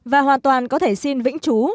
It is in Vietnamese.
và hoàn toàn có thể xin vĩnh trú